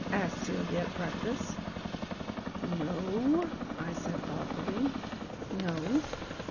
asked Celia at breakfast. "No," I said thoughtfully; "no."